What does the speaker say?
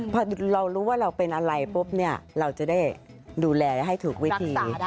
พอเรารู้ว่าเราเป็นอะไรปุ๊บเนี่ยเราจะได้ดูแลให้ถูกวิธี